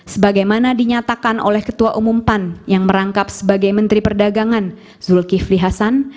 sebagaimana dinyatakan oleh ketua umum pan yang merangkap sebagai menteri perdagangan zulkifli hasan